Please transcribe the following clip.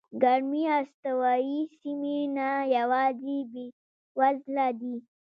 ګرمې استوایي سیمې نه یوازې بېوزله دي.